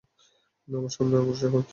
আমরা সামনে অগ্রসর হই।